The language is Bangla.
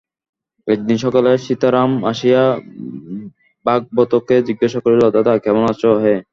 একদিন সকালে সীতারাম আসিয়া ভাগবতকে জিজ্ঞাসা করিল, দাদা, কেমন আছ হে?